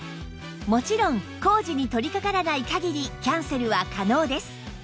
もちろん工事に取りかからない限りキャンセルは可能です